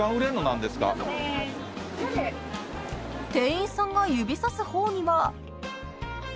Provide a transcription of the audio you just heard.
［店員さんが指さす方には］